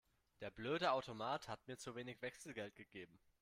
Der blöde Automat hat mir zu wenig Wechselgeld gegeben.